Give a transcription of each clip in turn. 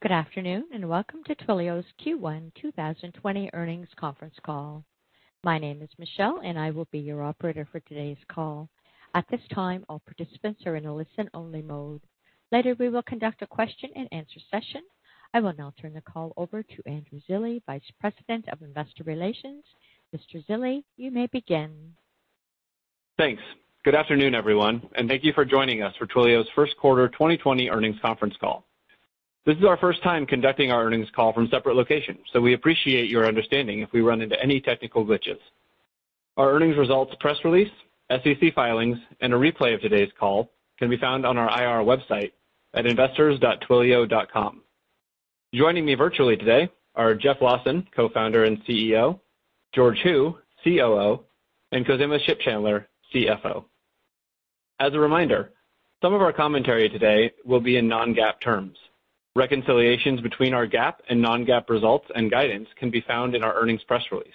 Good afternoon, welcome to Twilio's Q1 2020 earnings conference call. My name is Michelle, I will be your operator for today's call. At this time, all participants are in a listen-only mode. Later, we will conduct a question and answer session. I will now turn the call over to Andrew Zilli, Vice President of Investor Relations. Mr. Zilli, you may begin. Thanks. Good afternoon, everyone, and thank you for joining us for Twilio's Q1 2020 earnings conference call. This is our first time conducting our earnings call from separate locations, so we appreciate your understanding if we run into any technical glitches. Our earnings results press release, SEC filings, and a replay of today's call can be found on our IR website at investors.twilio.com. Joining me virtually today are Jeff Lawson, co-founder and CEO, George Hu, COO, and Khozema Shipchandler, CFO. As a reminder, some of our commentary today will be in non-GAAP terms. Reconciliations between our GAAP and non-GAAP results and guidance can be found in our earnings press release.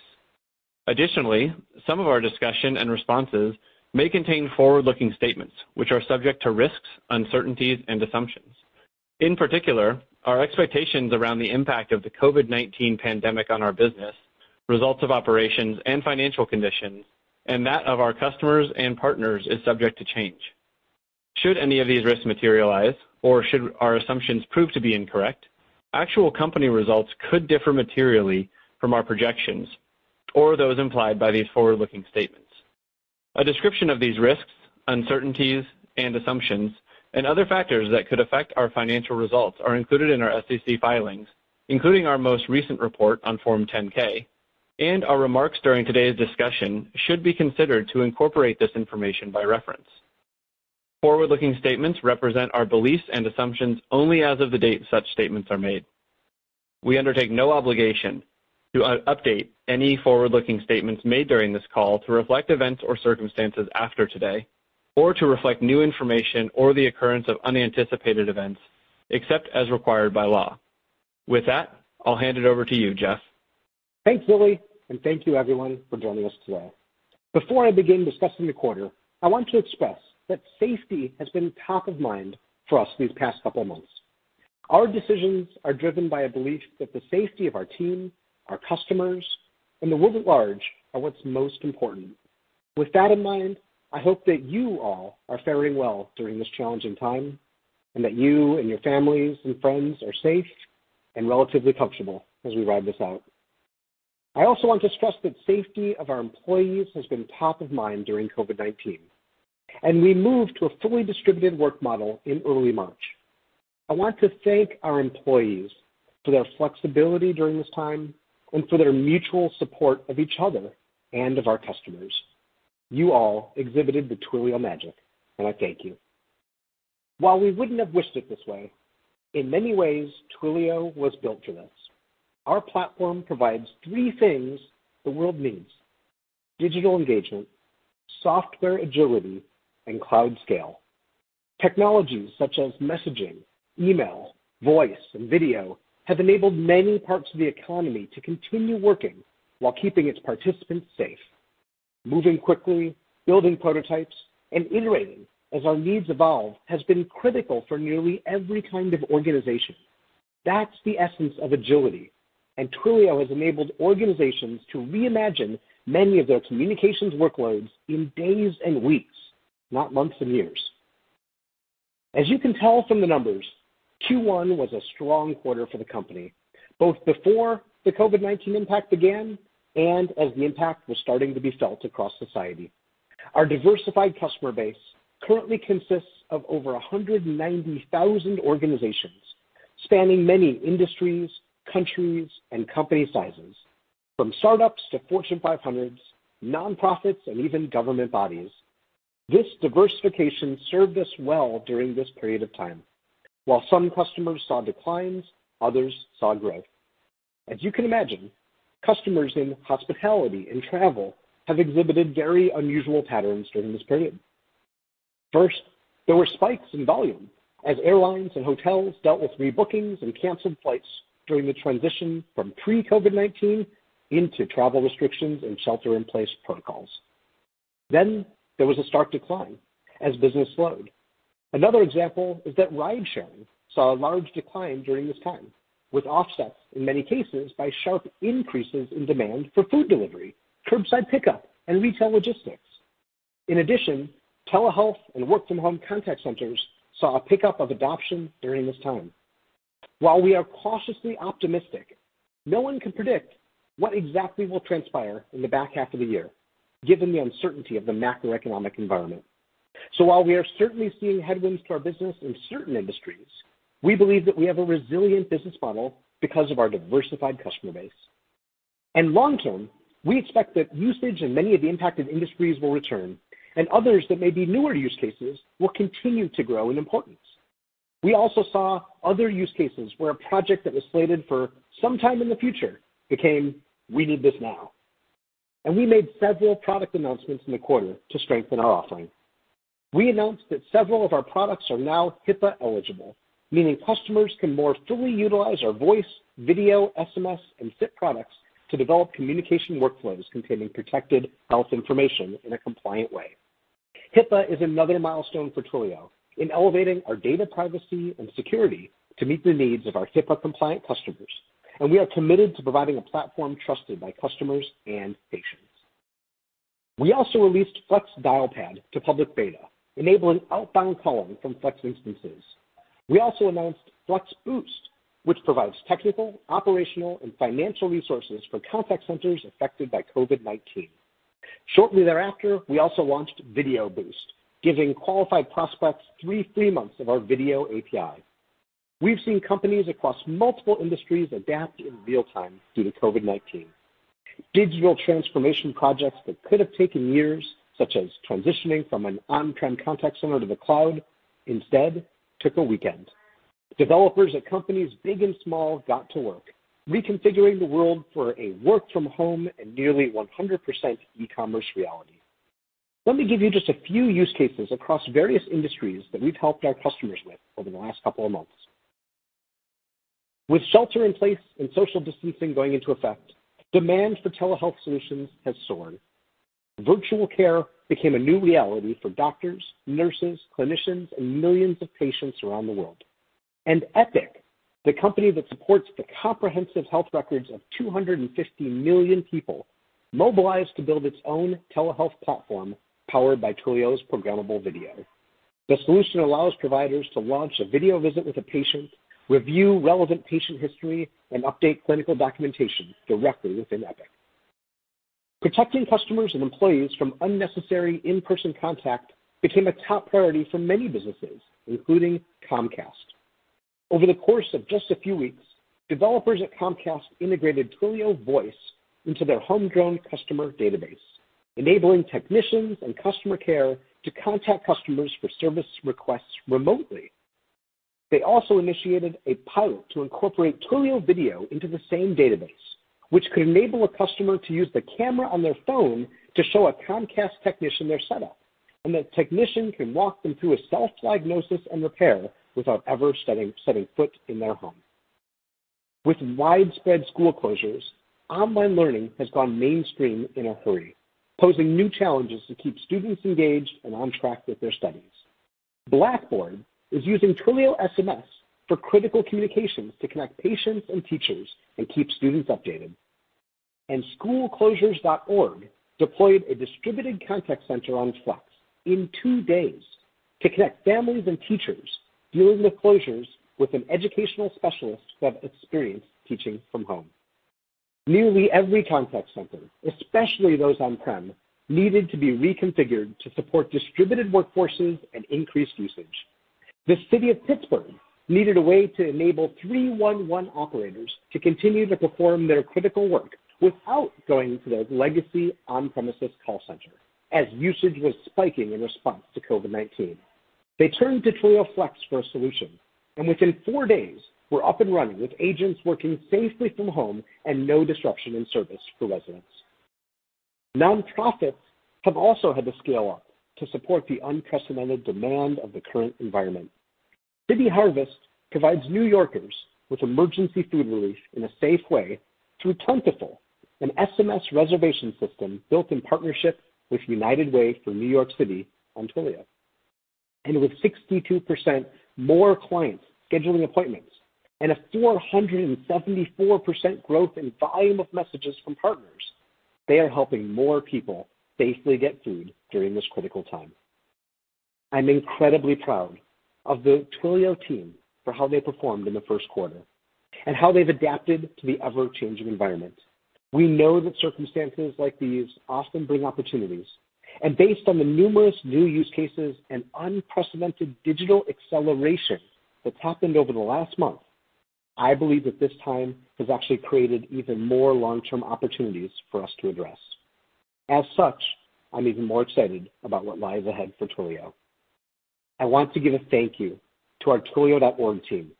Additionally, some of our discussion and responses may contain forward-looking statements, which are subject to risks, uncertainties, and assumptions. In particular, our expectations around the impact of the COVID-19 pandemic on our business, results of operations and financial conditions, and that of our customers and partners is subject to change. Should any of these risks materialize, or should our assumptions prove to be incorrect, actual company results could differ materially from our projections or those implied by these forward-looking statements. A description of these risks, uncertainties, and assumptions, and other factors that could affect our financial results are included in our SEC filings, including our most recent report on Form 10-K, and our remarks during today's discussion should be considered to incorporate this information by reference. Forward-looking statements represent our beliefs and assumptions only as of the date such statements are made. We undertake no obligation to update any forward-looking statements made during this call to reflect events or circumstances after today or to reflect new information or the occurrence of unanticipated events, except as required by law. With that, I'll hand it over to you, Jeff. Thanks,, thank you, everyone, for joining us today. Before I begin discussing the quarter, I want to express that safety has been top of mind for us these past couple of months. Our decisions are driven by a belief that the safety of our team, our customers, and the world at large are what's most important. With that in mind, I hope that you all are faring well during this challenging time, and that you and your families and friends are safe and relatively comfortable as we ride this out. I also want to stress that safety of our employees has been top of mind during COVID-19, and we moved to a fully distributed work model in early March. I want to thank our employees for their flexibility during this time and for their mutual support of each other and of our customers. You all exhibited the Twilio magic, and I thank you. While we wouldn't have wished it this way, in many ways, Twilio was built for this. Our platform provides three things the world needs: digital engagement, software agility, and cloud scale. Technologies such as messaging, email, voice, and video have enabled many parts of the economy to continue working while keeping its participants safe. Moving quickly, building prototypes, and iterating as our needs evolve has been critical for nearly every kind of organization. That's the essence of agility, and Twilio has enabled organizations to reimagine many of their communications workloads in days and weeks, not months and years. As you can tell from the numbers, Q1 was a strong quarter for the company, both before the COVID-19 impact began and as the impact was starting to be felt across society. Our diversified customer base currently consists of over 190,000 organizations, spanning many industries, countries, and company sizes, from startups to Fortune 500s, nonprofits, and even government bodies. This diversification served us well during this period of time. While some customers saw declines, others saw growth. As you can imagine, customers in hospitality and travel have exhibited very unusual patterns during this period. First, there were spikes in volume as airlines and hotels dealt with rebookings and canceled flights during the transition from pre-COVID-19 into travel restrictions and shelter-in-place protocols. There was a stark decline as business slowed. Another example is that ridesharing saw a large decline during this time, with offsets, in many cases, by sharp increases in demand for food delivery, curbside pickup, and retail logistics. In addition, telehealth and work-from-home contact centers saw a pickup of adoption during this time. While we are cautiously optimistic, no one can predict what exactly will transpire in the back half of the year, given the uncertainty of the macroeconomic environment. While we are certainly seeing headwinds to our business in certain industries, we believe that we have a resilient business model because of our diversified customer base. Long term, we expect that usage in many of the impacted industries will return, and others that may be newer use cases will continue to grow in importance. We also saw other use cases where a project that was slated for sometime in the future became, "We need this now." We made several product announcements in the quarter to strengthen our offering. We announced that several of our products are now HIPAA eligible, meaning customers can more fully utilize our voice, video, SMS, and SIP products to develop communication workflows containing protected health information in a compliant way. HIPAA is another milestone for Twilio in elevating our data privacy and security to meet the needs of our HIPAA-compliant customers, and we are committed to providing a platform trusted by customers and patients. We also released Flex Dialpad to public beta, enabling outbound calling from Flex instances. We also announced Flex Boost, which provides technical, operational, and financial resources for contact centers affected by COVID-19. Shortly thereafter, we also launched Video Boost, giving qualified prospects three free months of our video API. We've seen companies across multiple industries adapt in real-time due to COVID-19. Digital transformation projects that could have taken years, such as transitioning from an on-prem contact center to the cloud, instead took a weekend. Developers at companies big and small got to work reconfiguring the world for a work-from-home and nearly 100% e-commerce reality. Let me give you just a few use cases across various industries that we've helped our customers with over the last couple of months. With shelter in place and social distancing going into effect, demand for telehealth solutions has soared. Virtual care became a new reality for doctors, nurses, clinicians, and millions of patients around the world. Epic, the company that supports the comprehensive health records of 250 million people, mobilized to build its own telehealth platform powered by Twilio's programmable video. The solution allows providers to launch a video visit with a patient, review relevant patient history, and update clinical documentation directly within Epic. Protecting customers and employees from unnecessary in-person contact became a top priority for many businesses, including Comcast. Over the course of just a few weeks, developers at Comcast integrated Twilio Voice into their homegrown customer database, enabling technicians and customer care to contact customers for service requests remotely. They also initiated a pilot to incorporate Twilio Video into the same database, which could enable a customer to use the camera on their phone to show a Comcast technician their setup, and the technician can walk them through a self-diagnosis and repair without ever setting foot in their home. With widespread school closures, online learning has gone mainstream in a hurry, posing new challenges to keep students engaged and on track with their studies. Blackboard is using Twilio SMS for critical communications to connect patients and teachers and keep students updated. schoolclosures.org deployed a distributed contact center on Flex in two days to connect families and teachers dealing with closures with an educational specialist who have experience teaching from home. Nearly every contact center, especially those on-prem, needed to be reconfigured to support distributed workforces and increased usage. The city of Pittsburgh needed a way to enable 311 operators to continue to perform their critical work without going into the legacy on-premises call center, as usage was spiking in response to COVID-19. They turned to Twilio Flex for a solution, and within four days were up and running with agents working safely from home and no disruption in service for residents. Nonprofits have also had to scale up to support the unprecedented demand of the current environment. City Harvest provides New Yorkers with emergency food relief in a safe way through Plentiful, an SMS reservation system built in partnership with United Way on Twilio. With 62% more clients scheduling appointments and a 474% growth in volume of messages from partners, they are helping more people safely get food during this critical time. I'm incredibly proud of the Twilio team for how they performed in the Q1 and how they've adapted to the ever-changing environment. We know that circumstances like these often bring opportunities, based on the numerous new use cases and unprecedented digital acceleration that's happened over the last month, I believe that this time has actually created even more long-term opportunities for us to address. As such, I'm even more excited about what lies ahead for Twilio. I want to give a thank you to our Twilio.org team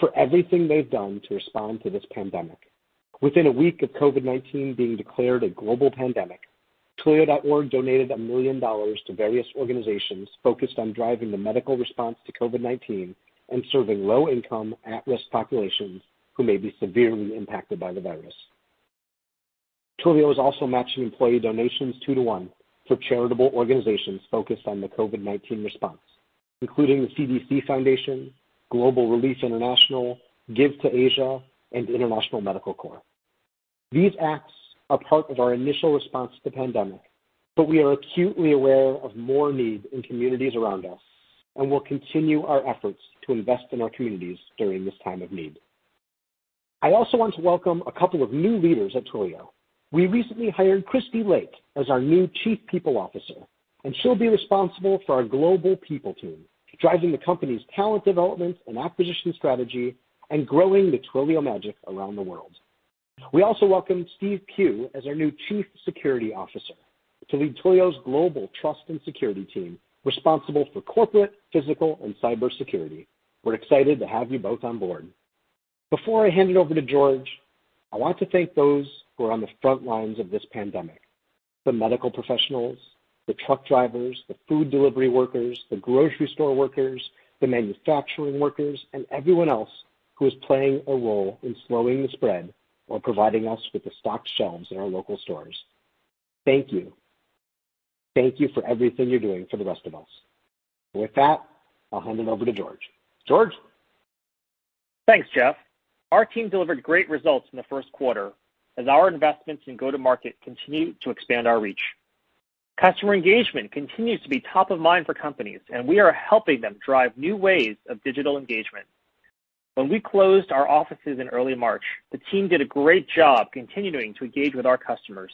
for everything they've done to respond to this pandemic. Within a week of COVID-19 being declared a global pandemic, Twilio.org donated $1 million to various organizations focused on driving the medical response to COVID-19 and serving low-income, at-risk populations who may be severely impacted by the virus. Twilio is also matching employee donations 2:1 for charitable organizations focused on the COVID-19 response, including the CDC Foundation, Global Relief International, Give2Asia, and International Medical Corps. These acts are part of our initial response to the pandemic, but we are acutely aware of more need in communities around us and will continue our efforts to invest in our communities during this time of need. I also want to welcome a couple of new leaders at Twilio. We recently hired Christy Lake as our new Chief People Officer, and she'll be responsible for our global people team, driving the company's talent development and acquisition strategy and growing the Twilio magic around the world. We also welcome Steve Pugh as our new Chief Security Officer to lead Twilio's global trust and security team responsible for corporate, physical, and cyber security. We're excited to have you both on board. Before I hand it over to George, I want to thank those who are on the front lines of this pandemic, the medical professionals, the truck drivers, the food delivery workers, the grocery store workers, the manufacturing workers, and everyone else who is playing a role in slowing the spread or providing us with the stocked shelves in our local stores, thank you. Thank you for everything you're doing for the rest of us. With that, I'll hand it over to George. George? Thanks, Jeff. Our team delivered great results in the Q1 as our investments in go-to-market continue to expand our reach. Customer engagement continues to be top of mind for companies. We are helping them drive new ways of digital engagement. When we closed our offices in early March, the team did a great job continuing to engage with our customers.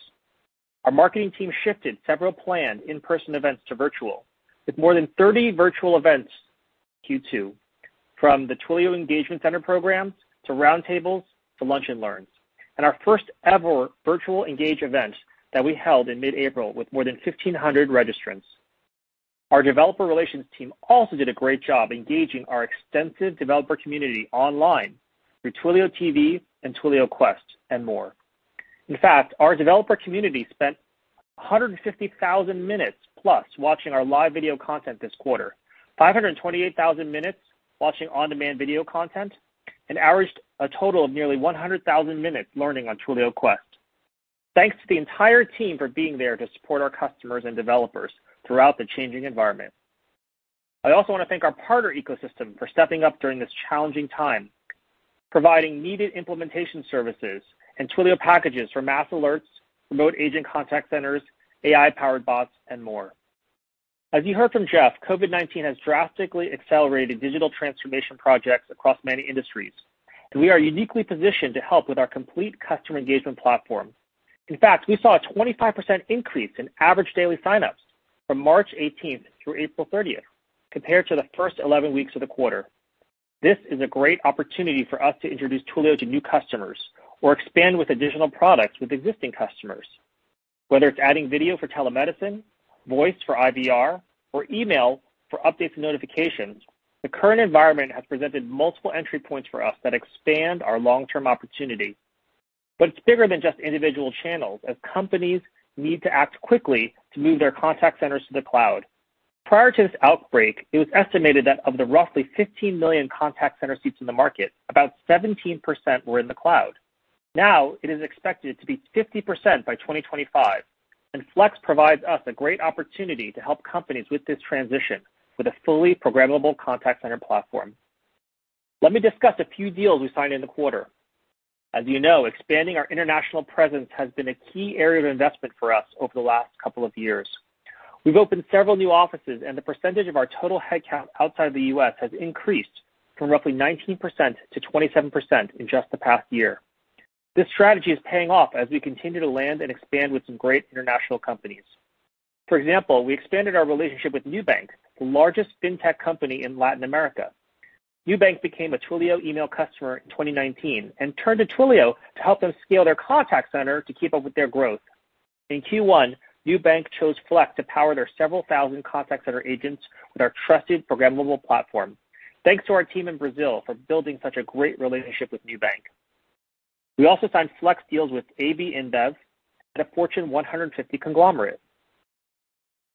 Our marketing team shifted several planned in-person events to virtual, with more than 30 virtual events Q2, from the Twilio Engagement Center programs, to roundtables, to lunch and learns. Our first-ever virtual engage event that we held in mid-April with more than 1,500 registrants. Our developer relations team also did a great job engaging our extensive developer community online through Twilio TV and Twilio Quest. More. In fact, our developer community spent 150,000 minutes plus watching our live video content this quarter, 528,000 minutes watching on-demand video content, and averaged a total of nearly 100,000 minutes learning on TwilioQuest. Thanks to the entire team for being there to support our customers and developers throughout the changing environment. I also want to thank our partner ecosystem for stepping up during this challenging time, providing needed implementation services and Twilio packages for mass alerts, remote agent contact centers, AI-powered bots, and more. As you heard from Jeff, COVID-19 has drastically accelerated digital transformation projects across many industries, we are uniquely positioned to help with our complete customer engagement platform. In fact, we saw a 25% increase in average daily signups from March 18th through April 30th, compared to the first 11 weeks of the quarter. This is a great opportunity for us to introduce Twilio to new customers or expand with additional products with existing customers, whether it's adding video for telemedicine, voice for IVR, or email for updates and notifications. The current environment has presented multiple entry points for us that expand our long-term opportunity. It's bigger than just individual channels, as companies need to act quickly to move their contact centers to the cloud. Prior to this outbreak, it was estimated that of the roughly 15 million contact center seats in the market, about 17% were in the cloud. Now, it is expected to be 50% by 2025, and Flex provides us a great opportunity to help companies with this transition with a fully programmable contact center platform. Let me discuss a few deals we signed in the quarter. As you know, expanding our international presence has been a key area of investment for us over the last couple of years. We've opened several new offices, and the percentage of our total headcount outside the U.S. has increased from roughly 19% to 27% in just the past year. This strategy is paying off as we continue to land and expand with some great international companies. For example, we expanded our relationship with Nubank, the largest fintech company in Latin America. Nubank became a Twilio email customer in 2019 and turned to Twilio to help them scale their contact center to keep up with their growth. In Q1, Nubank chose Flex to power their several thousand contact center agents with our trusted programmable platform. Thanks to our team in Brazil for building such a great relationship with Nubank. We also signed Flex deals with AB InBev and a Fortune 150 conglomerate.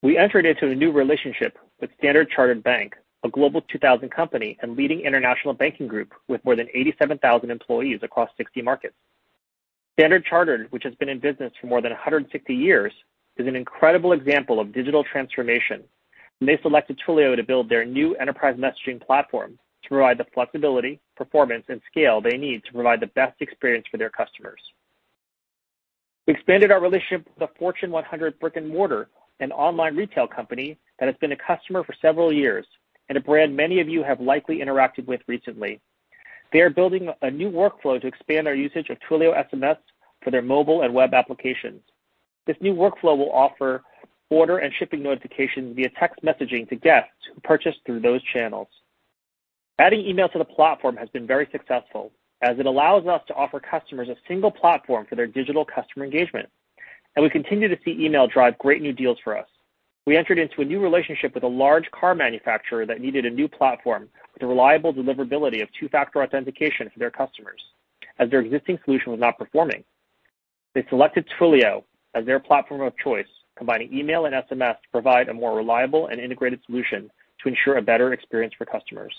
We entered into a new relationship with Standard Chartered Bank, a Global 2000 company and leading international banking group with more than 87,000 employees across 60 markets. Standard Chartered, which has been in business for more than 160 years, is an incredible example of digital transformation, and they selected Twilio to build their new enterprise messaging platform to provide the flexibility, performance, and scale they need to provide the best experience for their customers. We expanded our relationship with a Fortune 100 brick-and-mortar and online retail company that has been a customer for several years and a brand many of you have likely interacted with recently. They are building a new workflow to expand our usage of Twilio SMS for their mobile and web applications. This new workflow will offer order and shipping notifications via text messaging to guests who purchase through those channels. Adding email to the platform has been very successful, as it allows us to offer customers a single platform for their digital customer engagement. We continue to see email drive great new deals for us. We entered into a new relationship with a large car manufacturer that needed a new platform with the reliable deliverability of two-factor authentication for their customers, as their existing solution was not performing. They selected Twilio as their platform of choice, combining email and SMS to provide a more reliable and integrated solution to ensure a better experience for customers.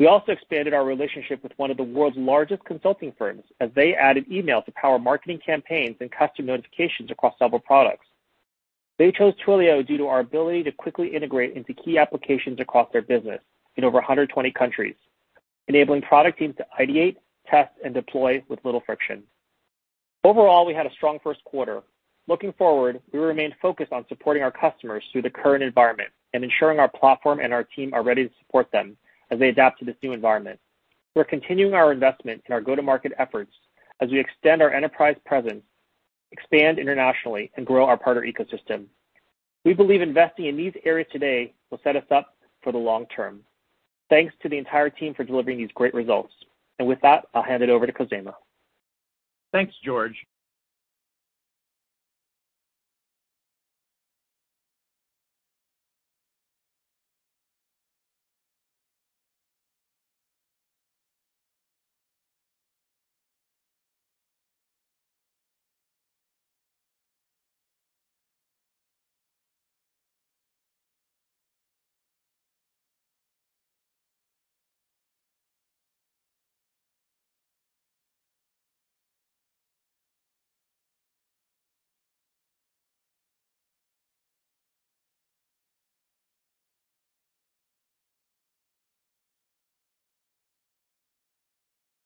We also expanded our relationship with one of the world's largest consulting firms as they added email to power marketing campaigns and custom notifications across several products. They chose Twilio due to our ability to quickly integrate into key applications across their business in over 120 countries, enabling product teams to ideate, test, and deploy with little friction. Overall, we had a strong Q1. Looking forward, we remain focused on supporting our customers through the current environment and ensuring our platform and our team are ready to support them as they adapt to this new environment. We're continuing our investment in our go-to-market efforts as we extend our enterprise presence, expand internationally, and grow our partner ecosystem. We believe investing in these areas today will set us up for the long term. Thanks to the entire team for delivering these great results. With that, I'll hand it over to Khozema. Thanks, George.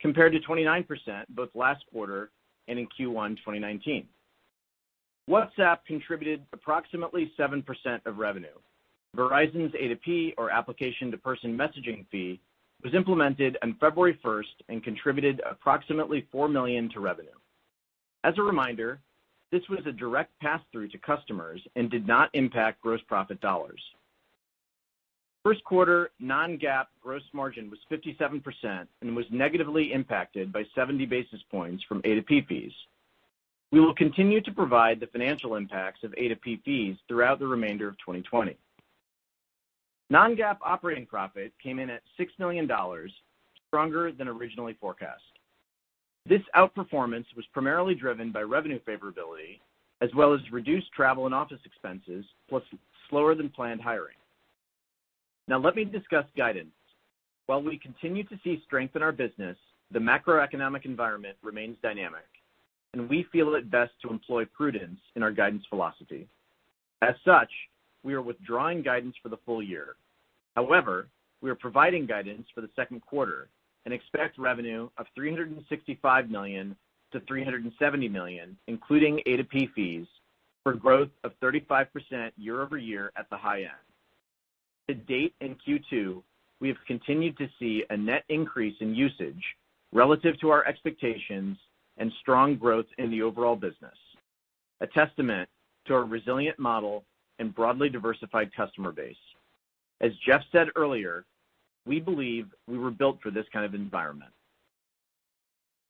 Compared to 29%, both last quarter and in Q1 2019. WhatsApp contributed approximately 7% of revenue. Verizon's A2P, or application to person messaging fee, was implemented on February 1st and contributed approximately $4 million to revenue. As a reminder, this was a direct pass-through to customers and did not impact gross profit dollars. Q1 non-GAAP gross margin was 57% and was negatively impacted by 70 basis points from A2P fees. We will continue to provide the financial impacts of A2P fees throughout the remainder of 2020. Non-GAAP operating profit came in at $6 million, stronger than originally forecast. This outperformance was primarily driven by revenue favorability, as well as reduced travel and office expenses, plus slower than planned hiring. Now let me discuss guidance. While we continue to see strength in our business, the macroeconomic environment remains dynamic, and we feel it best to employ prudence in our guidance philosophy. As such, we are withdrawing guidance for the full year. We are providing guidance for the Q2 and expect revenue of $365 million-$370 million, including A2P fees, for growth of 35% year-over-year at the high end. To date, in Q2, we have continued to see a net increase in usage relative to our expectations and strong growth in the overall business, a testament to our resilient model and broadly diversified customer base. As Jeff said earlier, we believe we were built for this kind of environment.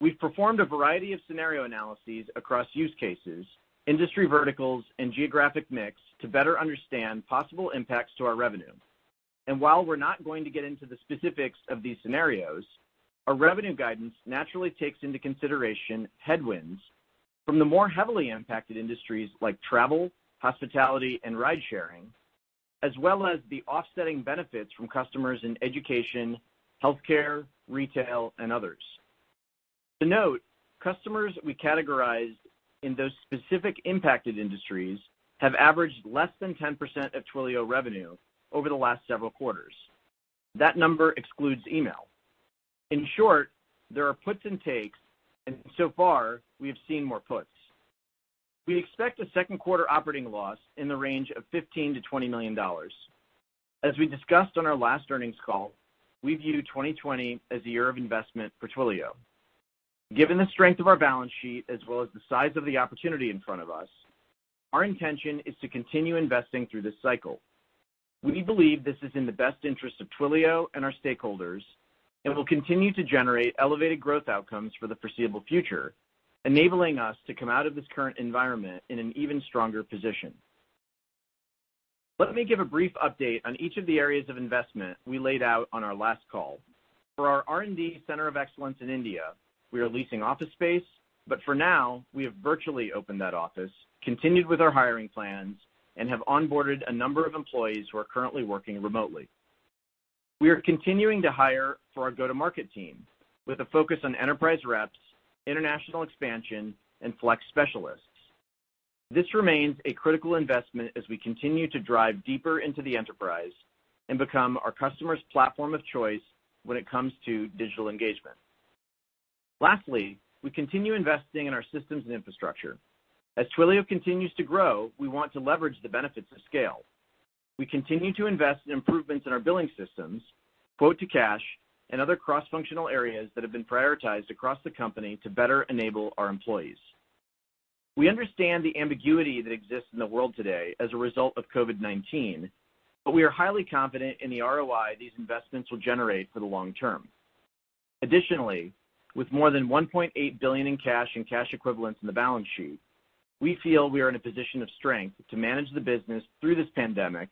We've performed a variety of scenario analyses across use cases, industry verticals, and geographic mix to better understand possible impacts to our revenue. While we're not going to get into the specifics of these scenarios, our revenue guidance naturally takes into consideration headwinds from the more heavily impacted industries like travel, hospitality, and ride sharing, as well as the offsetting benefits from customers in education, healthcare, retail, and others. To note, customers we categorize in those specific impacted industries have averaged less than 10% of Twilio revenue over the last several quarters. That number excludes email. In short, there are puts and takes, and so far, we have seen more puts. We expect a Q2 operating loss in the range of $15 million-$20 million. As we discussed on our last earnings call, we view 2020 as a year of investment for Twilio. Given the strength of our balance sheet, as well as the size of the opportunity in front of us, our intention is to continue investing through this cycle. We believe this is in the best interest of Twilio and our stakeholders and will continue to generate elevated growth outcomes for the foreseeable future, enabling us to come out of this current environment in an even stronger position. Let me give a brief update on each of the areas of investment we laid out on our last call. For our R&D center of excellence in India, we are leasing office space, but for now, we have virtually opened that office, continued with our hiring plans, and have onboarded a number of employees who are currently working remotely. We are continuing to hire for our go-to-market team with a focus on enterprise reps, international expansion, and Flex specialists. This remains a critical investment as we continue to drive deeper into the enterprise and become our customers' platform of choice when it comes to digital engagement. We continue investing in our systems and infrastructure. As Twilio continues to grow, we want to leverage the benefits of scale. We continue to invest in improvements in our billing systems, quote to cash, and other cross-functional areas that have been prioritized across the company to better enable our employees. We understand the ambiguity that exists in the world today as a result of COVID-19, we are highly confident in the ROI these investments will generate for the long term. With more than $1.8 billion in cash and cash equivalents in the balance sheet, we feel we are in a position of strength to manage the business through this pandemic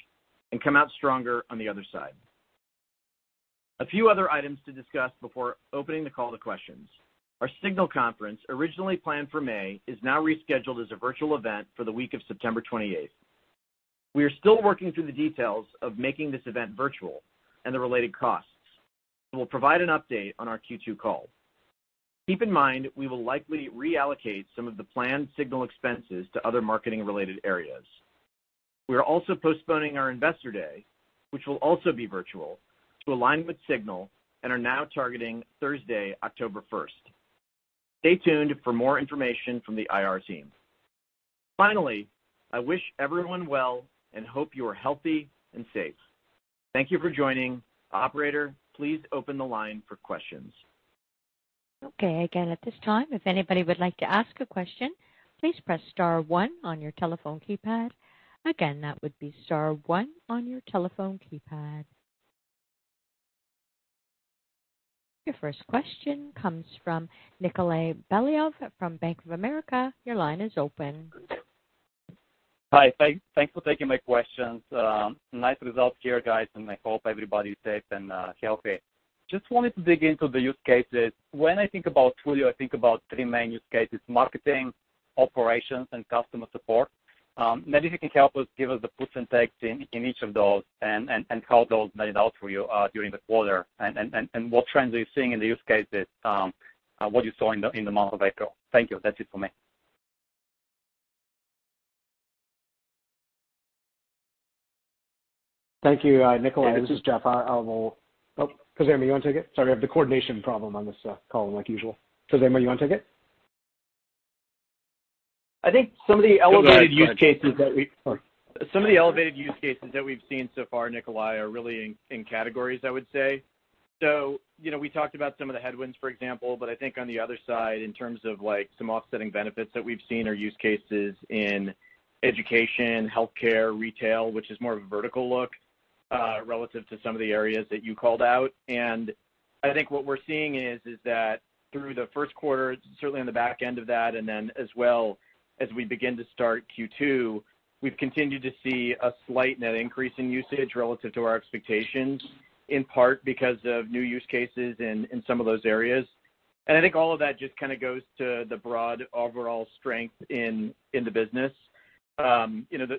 and come out stronger on the other side. A few other items to discuss before opening the call to questions. Our SIGNAL conference, originally planned for May, is now rescheduled as a virtual event for the week of September 28th. We are still working through the details of making this event virtual and the related costs, we'll provide an update on our Q2 call. Keep in mind, we will likely reallocate some of the planned SIGNAL expenses to other marketing related areas. We are also postponing our Investor Day, which will also be virtual, to align with SIGNAL and are now targeting Thursday, October 1st. Stay tuned for more information from the IR team. Finally, I wish everyone well and hope you are healthy and safe. Thank you for joining. Operator, please open the line for questions. Okay, again at this time, if anybody would like to ask a question, please press star one on your telephone keypad. Again, that would be star one on your telephone keypad. Your first question comes from Nikolay Beliov from Bank of America. Your line is open. Hi. Thanks for taking my questions. Nice results here, guys, and I hope everybody is safe and healthy. Just wanted to dig into the use cases. When I think about Twilio, I think about three main use cases, marketing operations and customer support. Maybe if you can help us give us the puts and takes in each of those and how those played out for you during the quarter and what trends are you seeing in the use cases, what you saw in the month of April. Thank you. That's it for me. Thank you, Nikolay. This is Jeff. Khozema, you want to take it? Sorry, we have the coordination problem on this call, like usual. Khozema, you want to take it? I think some of the elevated use cases that. Go ahead. Some of the elevated use cases that we've seen so far, Nikolay, are really in categories, I would say. We talked about some of the headwinds, for example, but I think on the other side, in terms of some offsetting benefits that we've seen are use cases in education, healthcare, retail, which is more of a vertical look, relative to some of the areas that you called out. I think what we're seeing is that through the Q1, certainly on the back end of that, and then as well as we begin to start Q2, we've continued to see a slight net increase in usage relative to our expectations, in part because of new use cases in some of those areas. I think all of that just kind of goes to the broad overall strength in the business.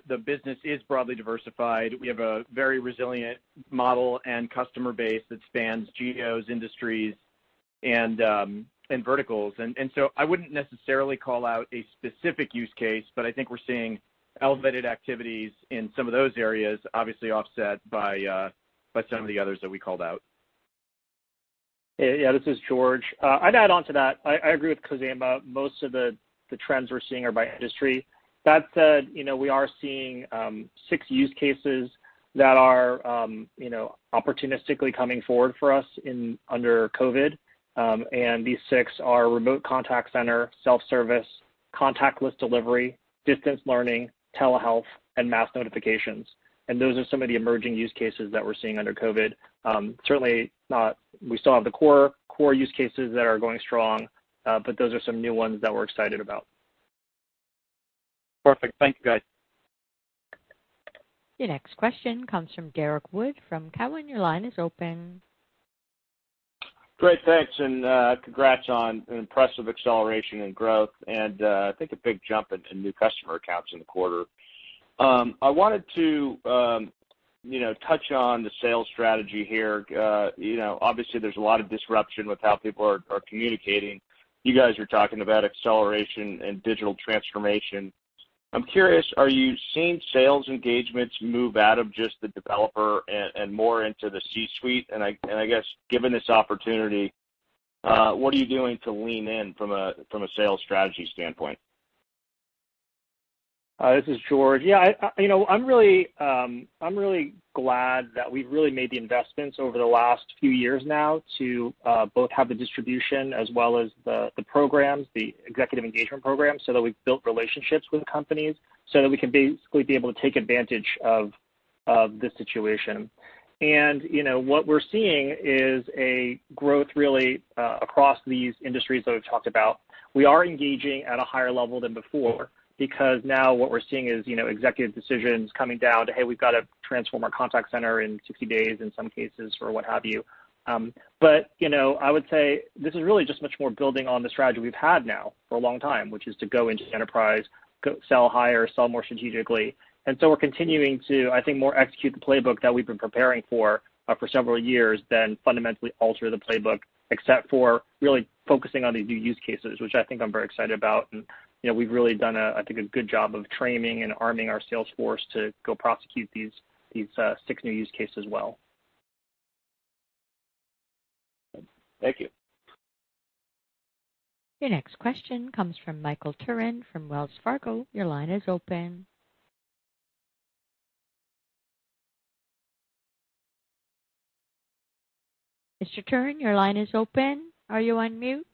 The business is broadly diversified. We have a very resilient model and customer base that spans geos, industries, and verticals. I wouldn't necessarily call out a specific use case, but I think we're seeing elevated activities in some of those areas, obviously offset by some of the others that we called out. Yeah, this is George. I'd add onto that. I agree with Khozema. Most of the trends we're seeing are by industry. That said, we are seeing six use cases that are opportunistically coming forward for us under COVID-19. These six are remote contact center, self-service, contactless delivery, distance learning, telehealth, and mass notifications. Those are some of the emerging use cases that we're seeing under COVID-19. Certainly, we still have the core use cases that are going strong, but those are some new ones that we're excited about. Perfect. Thank you, guys. Your next question comes from Derrick Wood from Cowen. Your line is open. Great. Thanks. Congrats on an impressive acceleration and growth, and I think a big jump into new customer accounts in the quarter. I wanted to touch on the sales strategy here. Obviously, there's a lot of disruption with how people are communicating. You guys are talking about acceleration and digital transformation. I'm curious, are you seeing sales engagements move out of just the developer and more into the C-suite? I guess given this opportunity, what are you doing to lean in from a sales strategy standpoint? This is George. Yeah. I'm really glad that we've really made the investments over the last few years now to both have the distribution as well as the programs, the executive engagement programs, so that we've built relationships with companies so that we can basically be able to take advantage of this situation. What we're seeing is a growth, really, across these industries that we've talked about. We are engaging at a higher level than before because now what we're seeing is executive decisions coming down to, "Hey, we've got to transform our contact center in 60 days," in some cases, or what have you. I would say this is really just much more building on the strategy we've had now for a long time, which is to go into the enterprise, go sell higher, sell more strategically. We're continuing to, I think, more execute the playbook that we've been preparing for several years than fundamentally alter the playbook, except for really focusing on these new use cases, which I think I'm very excited about. We've really done, I think, a good job of training and arming our sales force to go prosecute these six new use cases well. Thank you. Your next question comes from Michael Turrin from Wells Fargo. Your line is open. Mr. Turrin, your line is open. Are you on mute?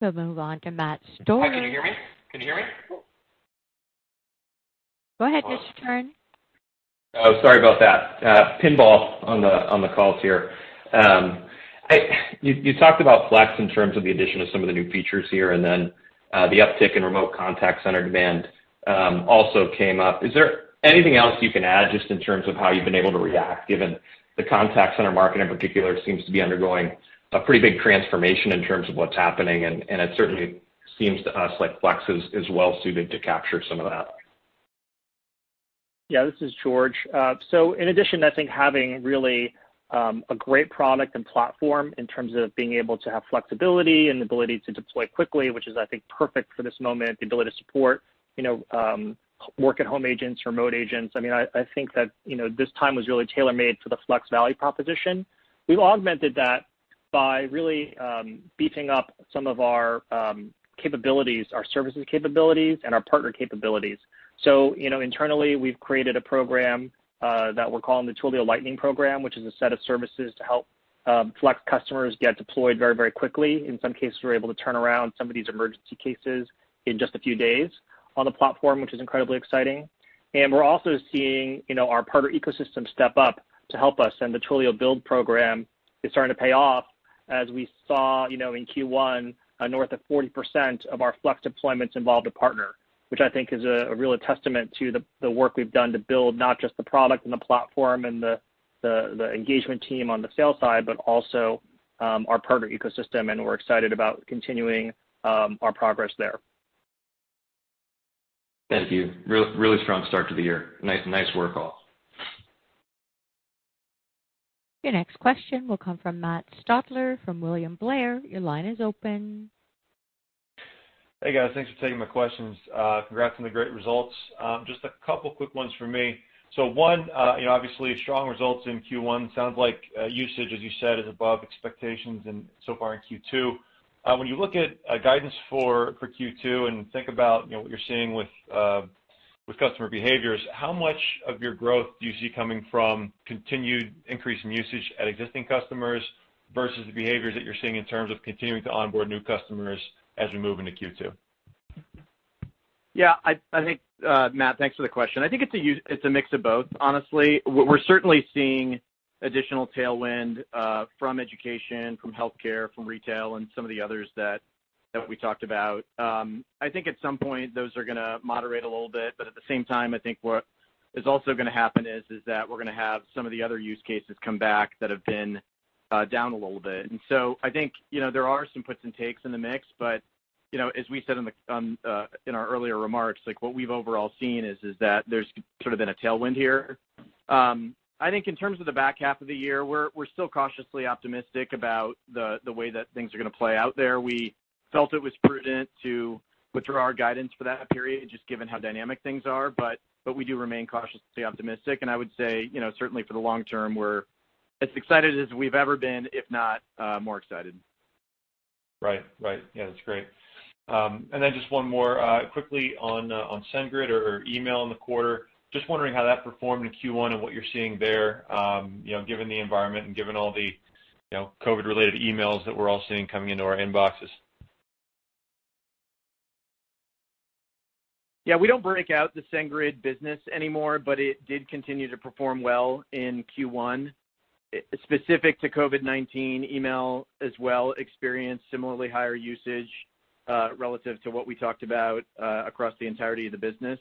We'll move on to Matt Stotler. Hi, can you hear me? Go ahead, Mr. Turrin. Oh, sorry about that. Pimbo on the calls here. You talked about Flex in terms of the addition of some of the new features here, and then the uptick in remote contact center demand also came up. Is there anything else you can add just in terms of how you've been able to react, given the contact center market in particular seems to be undergoing a pretty big transformation in terms of what's happening, and it certainly seems to us like Flex is well suited to capture some of that? This is George. In addition, I think having really a great product and platform in terms of being able to have flexibility and the ability to deploy quickly, which is, I think, perfect for this moment, the ability to support work-at-home agents, remote agents. I think that this time was really tailor-made for the Flex value proposition. We've augmented that by really beefing up some of our capabilities, our services capabilities, and our partner capabilities. Internally, we've created a program that we're calling the Twilio Lightning program, which is a set of services to help Flex customers get deployed very quickly. In some cases, we were able to turn around some of these emergency cases in just a few days on the platform, which is incredibly exciting. We're also seeing our partner ecosystem step up to help us, and the Twilio Build program is starting to pay off. As we saw in Q1, north of 40% of our Flex deployments involved a partner, which I think is really a testament to the work we've done to build not just the product and the platform and the engagement team on the sales side, but also our partner ecosystem, and we're excited about continuing our progress there. Thank you. Really strong start to the year. Nice work, all. Your next question will come from Matt Stotler from William Blair. Your line is open. Hey, guys. Thanks for taking my questions. Congrats on the great results. Just a couple quick ones from me. One, obviously strong results in Q1. Sounds like usage, as you said, is above expectations and so far in Q2. When you look at guidance for Q2 and think about what you're seeing with customer behaviors, how much of your growth do you see coming from continued increase in usage at existing customers versus the behaviors that you're seeing in terms of continuing to onboard new customers as we move into Q2? Yeah, Matt, thanks for the question. I think it's a mix of both, honestly. We're certainly seeing additional tailwind from education, from healthcare, from retail, and some of the others that we talked about. I think at some point those are going to moderate a little bit. At the same time, I think what is also going to happen is that we're going to have some of the other use cases come back that have been down a little bit. I think there are some puts and takes in the mix, but as we said in our earlier remarks, what we've overall seen is that there's sort of been a tailwind here. I think in terms of the back half of the year, we're still cautiously optimistic about the way that things are going to play out there. We felt it was prudent to withdraw our guidance for that period, just given how dynamic things are, but we do remain cautiously optimistic. I would say, certainly for the long term, we're as excited as we've ever been, if not more excited. Right. Yeah, that's great. Then just one more quickly on SendGrid or email in the quarter. Just wondering how that performed in Q1 and what you're seeing there given the environment and given all the COVID related emails that we're all seeing coming into our inboxes. Yeah, we don't break out the SendGrid business anymore, but it did continue to perform well in Q1. Specific to COVID-19 email as well experienced similarly higher usage, relative to what we talked about, across the entirety of the business.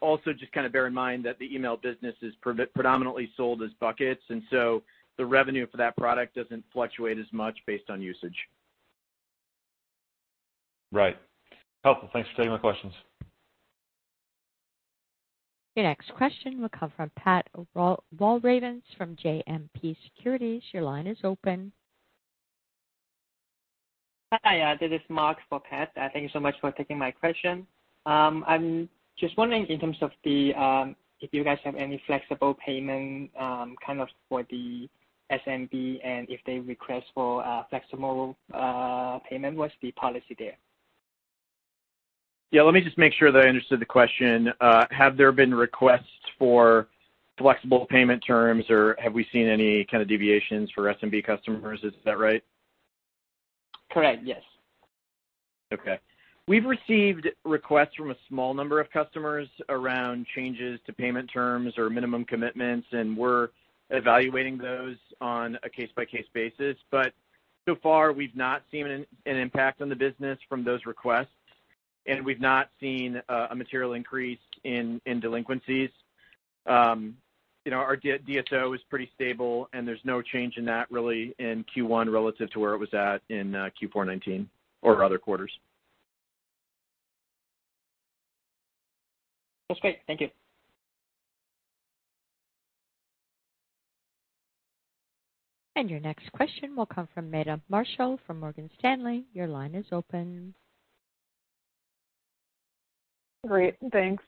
Also just kind of bear in mind that the email business is predominantly sold as buckets, and so the revenue for that product doesn't fluctuate as much based on usage. Right. Helpful. Thanks for taking my questions. Your next question will come from Pat Walravens from JMP Securities. Your line is open. Hi, this is Mark for Pat. Thank you so much for taking my question. I'm just wondering if you guys have any flexible payment for the SMB, and if they request for flexible payment, what's the policy there? Yeah, let me just make sure that I understood the question. Have there been requests for flexible payment terms, or have we seen any kind of deviations for SMB customers? Is that right? Correct, yes. Okay. We've received requests from a small number of customers around changes to payment terms or minimum commitments, and we're evaluating those on a case-by-case basis. So far, we've not seen an impact on the business from those requests, and we've not seen a material increase in delinquencies. Our DSO is pretty stable, and there's no change in that really in Q1 relative to where it was at in Q4 2019 or other quarters. That's great. Thank you. Your next question will come from Meta Marshall from Morgan Stanley. Your line is open. Great, thanks.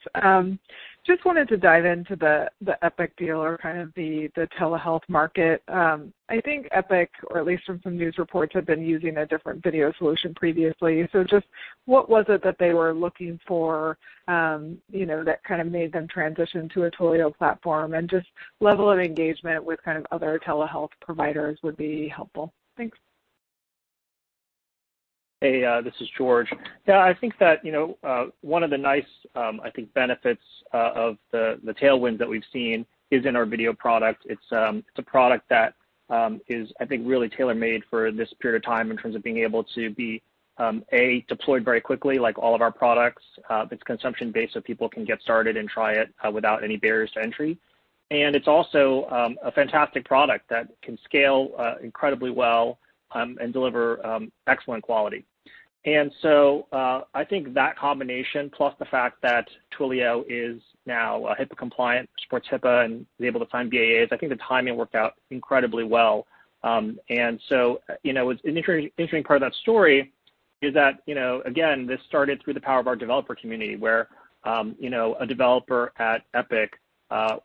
Just wanted to dive into the Epic deal or kind of the telehealth market. I think Epic, or at least from some news reports, had been using a different video solution previously. Just what was it that they were looking for that kind of made them transition to a Twilio platform? Just level of engagement with kind of other telehealth providers would be helpful. Thanks. Hey, this is George. I think that one of the nice benefits of the tailwind that we've seen is in our video product. It's a product that is, I think, really tailor-made for this period of time in terms of being able to be, A, deployed very quickly like all of our products. It's consumption-based, people can get started and try it without any barriers to entry. It's also a fantastic product that can scale incredibly well and deliver excellent quality. I think that combination, plus the fact that Twilio is now HIPAA compliant, supports HIPAA, and is able to sign BAAs, I think the timing worked out incredibly well. An interesting part of that story is that, again, this started through the power of our developer community, where a developer at Epic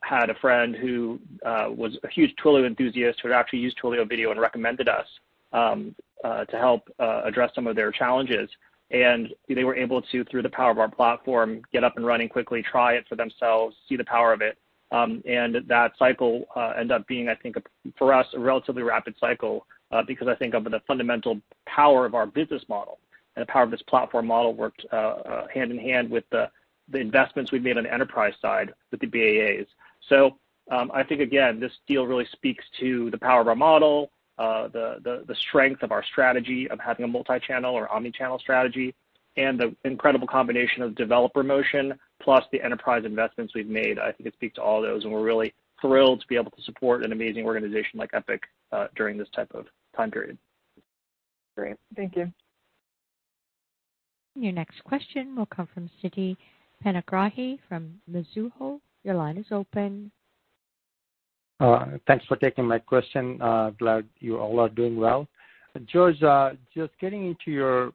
had a friend who was a huge Twilio enthusiast who had actually used Twilio Video and recommended us to help address some of their challenges. They were able to, through the power of our platform, get up and running quickly, try it for themselves, see the power of it. That cycle ended up being, I think, for us, a relatively rapid cycle, because I think of the fundamental power of our business model. The power of this platform model worked hand in hand with the investments we've made on the enterprise side with the BAAs. Again, this deal really speaks to the power of our model, the strength of our strategy of having a multi-channel or omni-channel strategy, and the incredible combination of developer motion plus the enterprise investments we've made. It speaks to all those, and we're really thrilled to be able to support an amazing organization like Epic during this type of time period. Great. Thank you. Your next question will come from Siti Panigrahi from Mizuho. Your line is open. Thanks for taking my question. Glad you all are doing well. George, just getting into your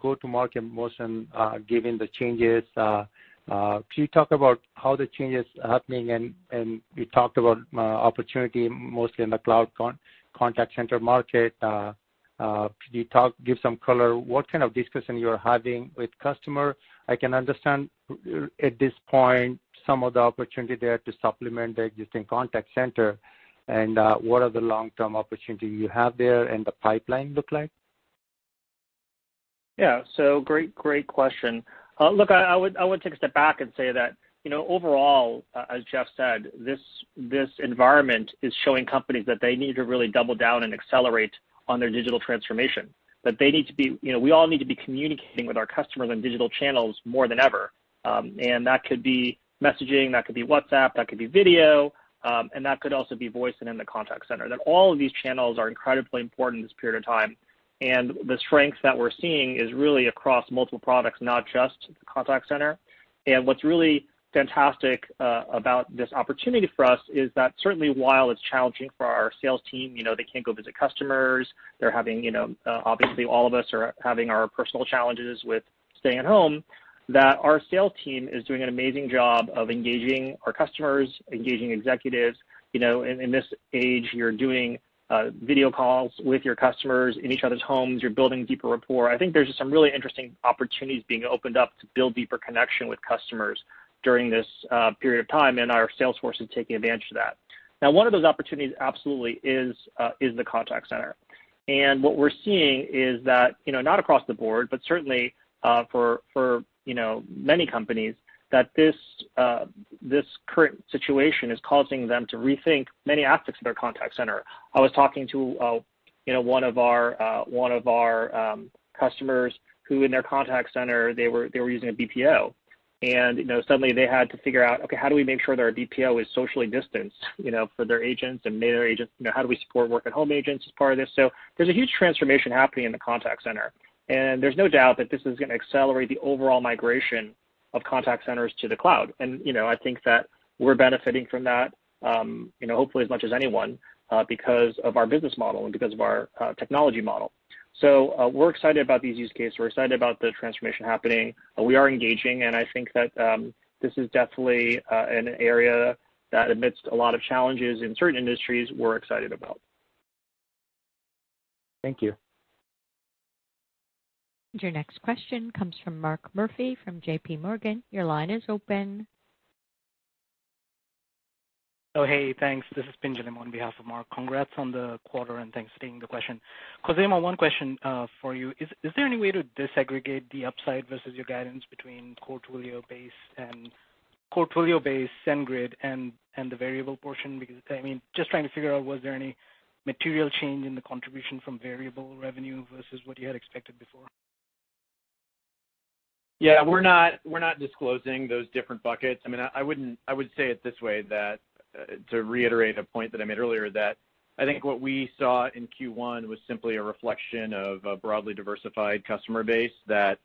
go-to-market motion given the changes, can you talk about how the changes are happening, and you talked about opportunity mostly in the cloud contact center market. Could you give some color, what kind of discussion you're having with customer? I can understand at this point some of the opportunity there to supplement the existing contact center, and what are the long-term opportunity you have there and the pipeline look like? Yeah. Great question. Look, I would take a step back and say that overall, as Jeff said, this environment is showing companies that they need to really double down and accelerate on their digital transformation, that we all need to be communicating with our customers on digital channels more than ever. That could be messaging, that could be WhatsApp, that could be video, and that could also be voice and in the contact center, that all of these channels are incredibly important in this period of time. The strength that we're seeing is really across multiple products, not just the contact center. What's really fantastic about this opportunity for us is that certainly while it's challenging for our sales team, they can't go visit customers. All of us are having our personal challenges with staying at home, that our sales team is doing an amazing job of engaging our customers, engaging executives. In this age, you're doing video calls with your customers in each other's homes. You're building deeper rapport. I think there's some really interesting opportunities being opened up to build deeper connection with customers during this period of time, and our sales force is taking advantage of that. One of those opportunities absolutely is the contact center. What we're seeing is that, not across the board, but certainly for many companies, that this current situation is causing them to rethink many aspects of their contact center. I was talking to one of our customers who in their contact center, they were using a BPO, and suddenly they had to figure out, okay, how do we make sure that our BPO is socially distanced for their agents and manager agents? How do we support work-at-home agents as part of this? There's a huge transformation happening in the contact center. There's no doubt that this is going to accelerate the overall migration of contact centers to the cloud. I think that we're benefiting from that hopefully as much as anyone because of our business model and because of our technology model. We're excited about these use cases. We're excited about the transformation happening. We are engaging. I think that this is definitely an area that amidst a lot of challenges in certain industries, we're excited about. Thank you. Your next question comes from Mark Murphy from JPMorgan. Your line is open. Oh, hey, thanks. This is Pinjalim on behalf of Mark. Congrats on the quarter, and thanks for taking the question. Khozema, one question for you. Is there any way to disaggregate the upside versus your guidance between core Twilio base and SendGrid and the variable portion? Just trying to figure out, was there any material change in the contribution from variable revenue versus what you had expected before? Yeah, we're not disclosing those different buckets. I would say it this way that to reiterate a point that I made earlier, that I think what we saw in Q1 was simply a reflection of a broadly diversified customer base that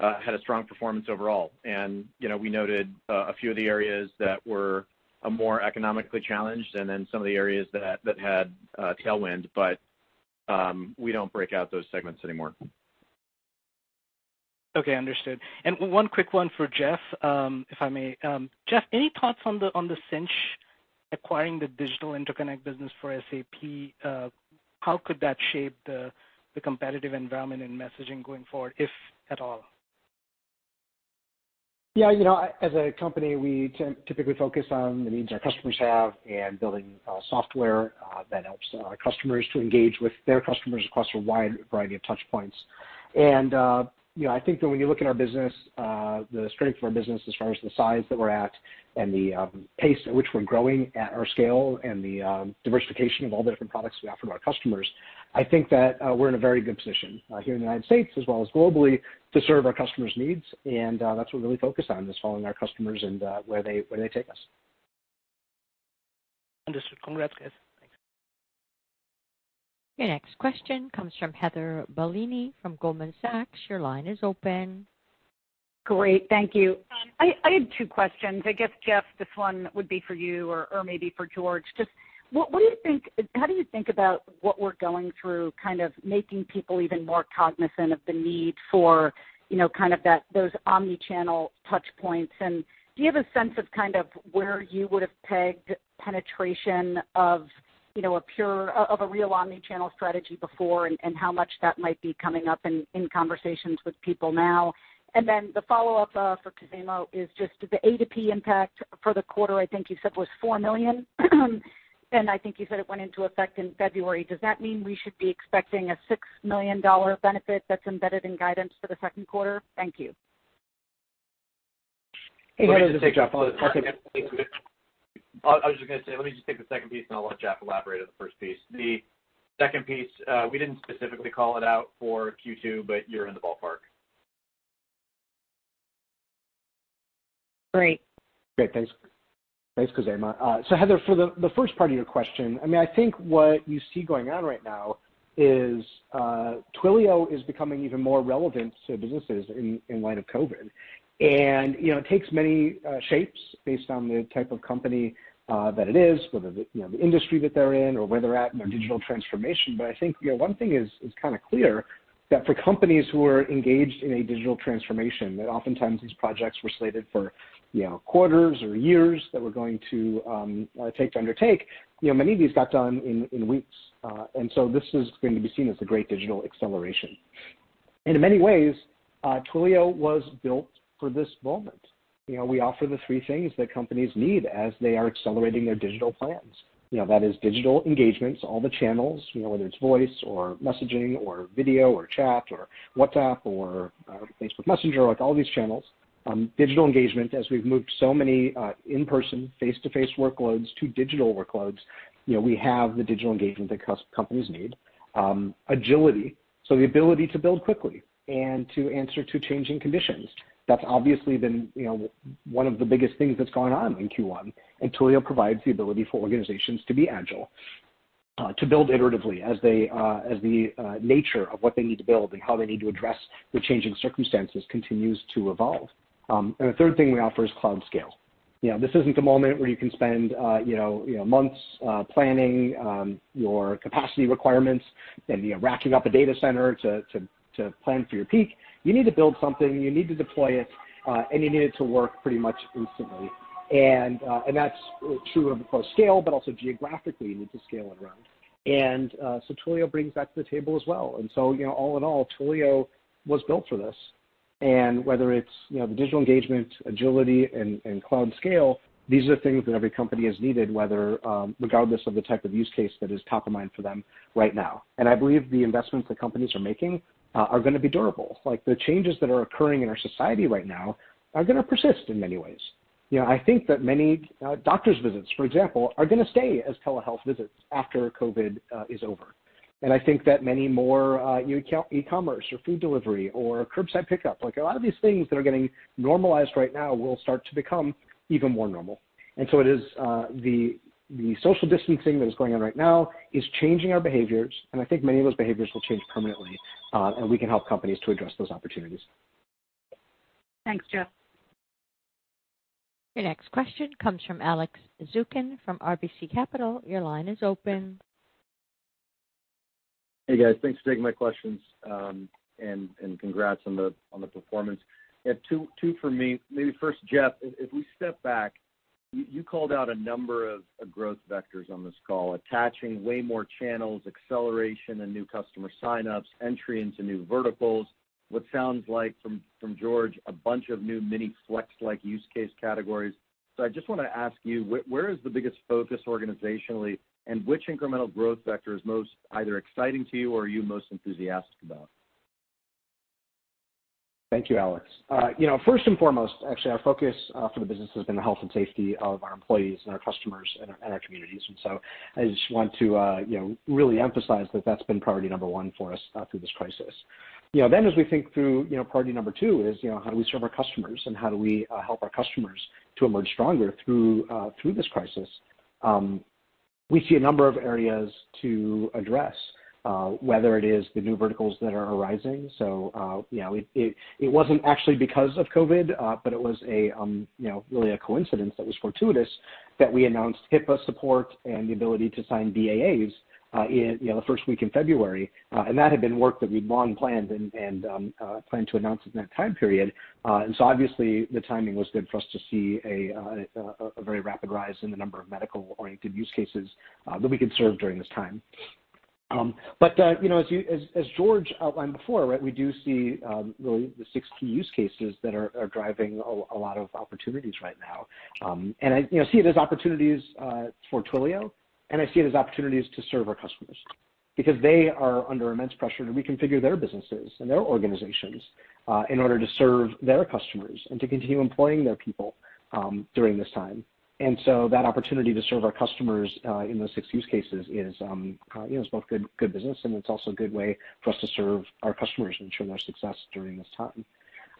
had a strong performance overall. We noted a few of the areas that were more economically challenged and then some of the areas that had tailwind, but we don't break out those segments anymore. Okay, understood. One quick one for Jeff, if I may. Jeff, any thoughts on Sinch acquiring the digital interconnect business for SAP? How could that shape the competitive environment in messaging going forward, if at all? Yeah. As a company, we typically focus on the needs our customers have and building software that helps our customers to engage with their customers across a wide variety of touch points. I think that when you look at our business, the strength of our business as far as the size that we're at and the pace at which we're growing at our scale and the diversification of all the different products we offer to our customers, I think that we're in a very good position here in the United States as well as globally to serve our customers' needs, and that's what we're really focused on, is following our customers and where they take us. Understood. Congrats, guys. Thanks. Your next question comes from Heather Bellini from Goldman Sachs. Your line is open. Great. Thank you. I had two questions. I guess, Jeff, this one would be for you or maybe for George. Just how do you think about what we're going through kind of making people even more cognizant of the need for those omni-channel touch points, and do you have a sense of kind of where you would have pegged penetration of a real omni-channel strategy before and how much that might be coming up in conversations with people now? The follow-up for Khozema is just the A2P impact for the quarter I think you said was $4 million, and I think you said it went into effect in February. Does that mean we should be expecting a $6 million benefit that's embedded in guidance for the Q2? Thank you. Go ahead and take the second piece. I was just going to say, let me just take the second piece, and I'll let Jeff elaborate on the first piece. The second piece, we didn't specifically call it out for Q2, but you're in the ballpark. Great. Great. Thanks, Khozema. Heather, for the first part of your question, I think what you see going on right now is Twilio is becoming even more relevant to businesses in light of COVID. It takes many shapes based on the type of company that it is, whether the industry that they're in or where they're at in their digital transformation. I think one thing is kind of clear, that for companies who are engaged in a digital transformation, that oftentimes these projects were slated for quarters or years that were going to take to undertake. Many of these got done in weeks. This is going to be seen as the great digital acceleration. In many ways, Twilio was built for this moment. We offer the three things that companies need as they are accelerating their digital plans. That is digital engagements, all the channels, whether it's voice or messaging or video or chat or WhatsApp or Facebook Messenger, all these channels. Digital engagement, as we've moved so many in-person, face-to-face workloads to digital workloads. We have the digital engagement that companies need. Agility, the ability to build quickly and to answer to changing conditions. That's obviously been one of the biggest things that's gone on in Q1, Twilio provides the ability for organizations to be agile, to build iteratively as the nature of what they need to build and how they need to address the changing circumstances continues to evolve. The third thing we offer is cloud scale. This isn't a moment where you can spend months planning your capacity requirements and racking up a data center to plan for your peak. You need to build something, you need to deploy it, and you need it to work pretty much instantly. That's true of cloud scale, but also geographically, you need to scale it around. Twilio brings that to the table as well. All in all, Twilio was built for this. Whether it's the digital engagement, agility, and cloud scale, these are things that every company has needed, regardless of the type of use case that is top of mind for them right now. I believe the investments that companies are making are going to be durable. The changes that are occurring in our society right now are going to persist in many ways. I think that many doctor's visits, for example, are going to stay as telehealth visits after COVID-19 is over. I think that many more e-commerce or food delivery or curbside pickup, a lot of these things that are getting normalized right now will start to become even more normal. It is the social distancing that is going on right now is changing our behaviors, and I think many of those behaviors will change permanently. We can help companies to address those opportunities. Thanks, Jeff. Your next question comes from Alex Zukin from RBC Capital. Your line is open. Hey, guys. Thanks for taking my questions. Congrats on the performance. I have two for me. Maybe first, Jeff, if we step back, you called out a number of growth vectors on this call, attaching way more channels, acceleration and new customer sign-ups, entry into new verticals, what sounds like, from George, a bunch of new mini Flex-like use case categories. I just want to ask you, where is the biggest focus organizationally, and which incremental growth vector is most either exciting to you or are you most enthusiastic about? Thank you, Alex Zukin. First and foremost, actually, our focus for the business has been the health and safety of our employees and our customers and our communities. I just want to really emphasize that that's been priority number one for us through this crisis. As we think through priority number two is how do we serve our customers, and how do we help our customers to emerge stronger through this crisis? We see a number of areas to address, whether it is the new verticals that are arising. It wasn't actually because of COVID, but it was really a coincidence that was fortuitous that we announced HIPAA support and the ability to sign BAAs in the first week in February. That had been work that we'd long planned and planned to announce it in that time period. Obviously, the timing was good for us to see a very rapid rise in the number of medical-oriented use cases that we could serve during this time. As George outlined before, we do see really the six key use cases that are driving a lot of opportunities right now. I see it as opportunities for Twilio, and I see it as opportunities to serve our customers because they are under immense pressure to reconfigure their businesses and their organizations in order to serve their customers and to continue employing their people during this time. That opportunity to serve our customers in those six use cases is both good business, and it's also a good way for us to serve our customers and ensure their success during this time.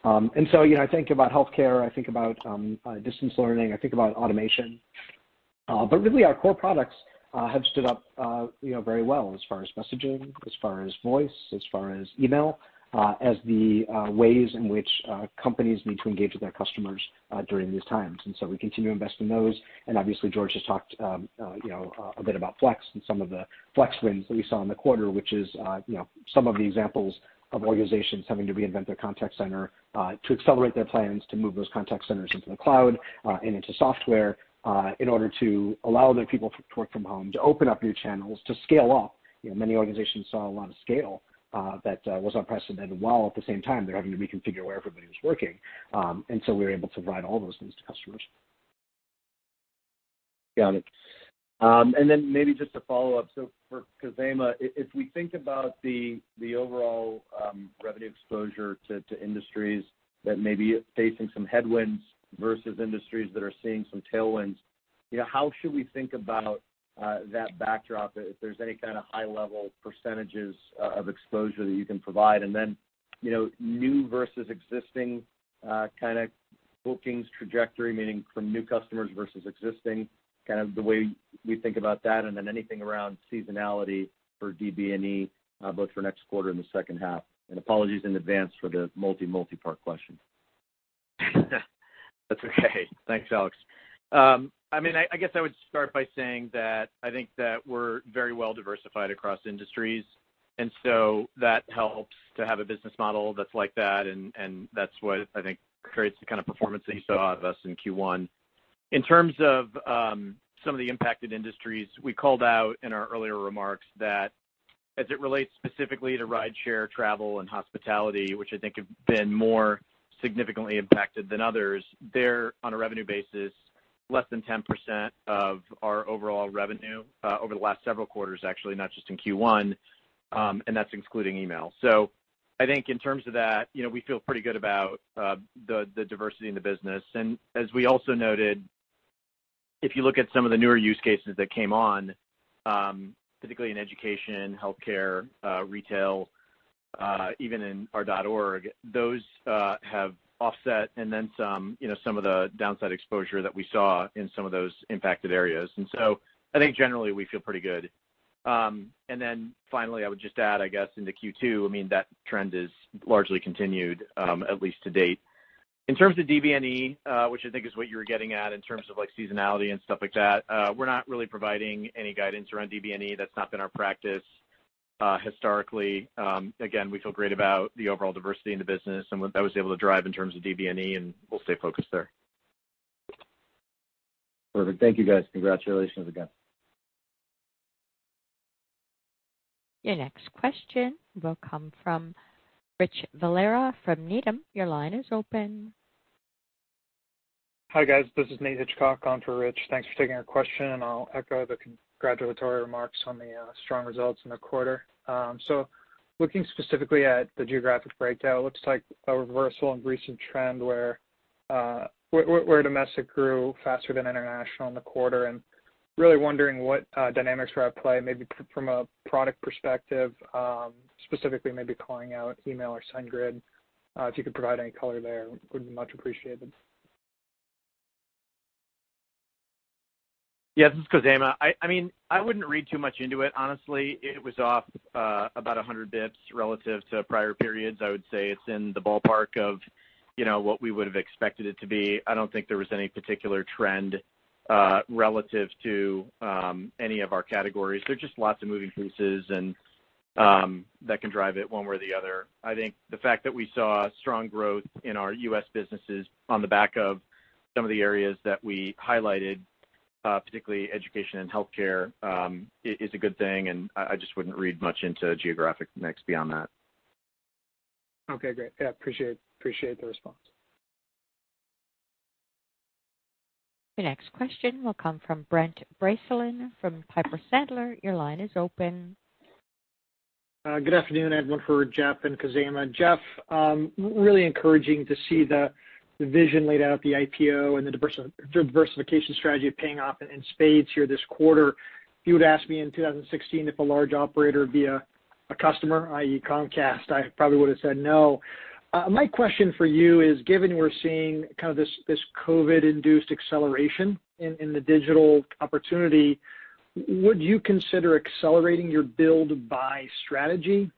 I think about healthcare, I think about distance learning, I think about automation. Really, our core products have stood up very well as far as messaging, as far as voice, as far as email, as the ways in which companies need to engage with their customers during these times. We continue to invest in those. Obviously, George has talked a bit about Flex and some of the Flex wins that we saw in the quarter, which is some of the examples of organizations having to reinvent their contact center to accelerate their plans to move those contact centers into the cloud and into software in order to allow their people to work from home, to open up new channels, to scale up. Many organizations saw a lot of scale that was unprecedented, while at the same time, they're having to reconfigure where everybody was working. We were able to provide all those things to customers Got it. Maybe just a follow-up. For Khozema, if we think about the overall revenue exposure to industries that may be facing some headwinds versus industries that are seeing some tailwinds, how should we think about that backdrop, if there's any kind of high-level percentages of exposure that you can provide? New versus existing kind of bookings trajectory, meaning from new customers versus existing, kind of the way we think about that, anything around seasonality for DBNE, both for next quarter and the H2. Apologies in advance for the multi-multi-part question. That's okay. Thanks, Alex. I guess I would start by saying that I think that we're very well-diversified across industries, and so that helps to have a business model that's like that. That's what I think creates the kind of performance that you saw of us in Q1. In terms of some of the impacted industries, we called out in our earlier remarks that as it relates specifically to rideshare, travel, and hospitality, which I think have been more significantly impacted than others, they're, on a revenue basis, less than 10% of our overall revenue over the last several quarters, actually, not just in Q1. That's including email. I think in terms of that, we feel pretty good about the diversity in the business. As we also noted, if you look at some of the newer use cases that came on, particularly in education, healthcare, retail, even in our Twilio.org, those have offset and then some of the downside exposure that we saw in some of those impacted areas. I think generally, we feel pretty good. Finally, I would just add, I guess, into Q2, that trend is largely continued, at least to date. In terms of DBNE, which I think is what you were getting at in terms of seasonality and stuff like that, we're not really providing any guidance around DBNE. That's not been our practice historically. Again, we feel great about the overall diversity in the business and what that was able to drive in terms of DBNE, and we'll stay focused there. Perfect. Thank you, guys. Congratulations again. Your next question will come from Rich Valera from Needham. Your line is open. Hi, guys. This is Nate Hitchcock on for Rich. Thanks for taking our question, and I'll echo the congratulatory remarks on the strong results in the quarter. Looking specifically at the geographic breakdown, it looks like a reversal in recent trend where domestic grew faster than international in the quarter, and really wondering what dynamics were at play, maybe from a product perspective, specifically maybe calling out email or SendGrid. If you could provide any color there, would be much appreciated. Yeah, this is Khozema. I wouldn't read too much into it, honestly. It was off about 100 basis points relative to prior periods. I would say it's in the ballpark of what we would've expected it to be. I don't think there was any particular trend relative to any of our categories. There are just lots of moving pieces and that can drive it one way or the other. I think the fact that we saw strong growth in our U.S. businesses on the back of some of the areas that we highlighted, particularly education and healthcare, is a good thing, and I just wouldn't read much into geographic mix beyond that. Okay, great. Yeah, appreciate the response. Your next question will come from Brent Bracelin from Piper Sandler. Your line is open. Good afternoon, everyone. For Jeff and Khozema. Jeff, really encouraging to see the vision laid out at the IPO and the diversification strategy of paying off in spades here this quarter. If you would've asked me in 2016 if a large operator would be a customer, i.e., Comcast, I probably would've said no. My question for you is, given we're seeing kind of this COVID-induced acceleration in the digital opportunity, would you consider accelerating your build-buy strategy?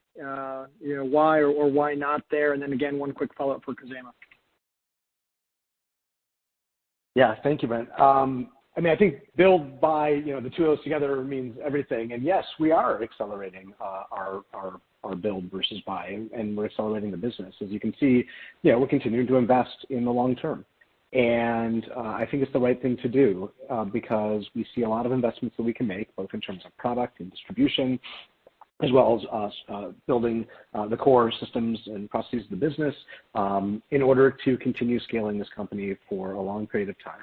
Why or why not there? Then again, one quick follow-up for Khozema. Yeah. Thank you, Brent. I think build-buy, the two of those together means everything. Yes, we are accelerating our build versus buy, and we're accelerating the business. As you can see, we're continuing to invest in the long term. I think it's the right thing to do, because we see a lot of investments that we can make, both in terms of product and distribution, as well as building the core systems and processes of the business in order to continue scaling this company for a long period of time.